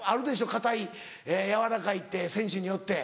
硬い軟らかいって選手によって。